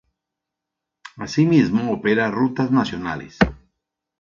Asimismo opera rutas nacionales.